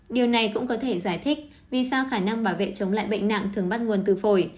điều này cũng có thể giải thích vì sao khả năng bảo vệ chống lại bệnh nặng thường bắt nguồn từ phổi